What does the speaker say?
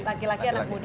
laki laki anak muda